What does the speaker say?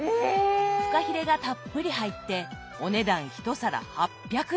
フカヒレがたっぷり入ってお値段１皿８００円！